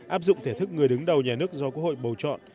áp dụng thể thức người đứng đầu nhà nước do quốc hội bầu chọn